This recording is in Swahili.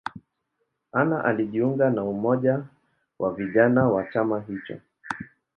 Anna alijiunga na umoja wa vijana wa chama hicho.